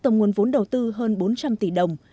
tổng nguồn vốn đầu tư hơn bốn trăm linh tỷ đồng